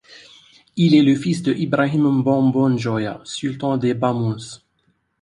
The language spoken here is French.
Il est le fils de Ibrahim Mbombo Njoya, sultan des Bamouns.